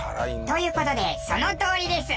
という事でそのとおりです。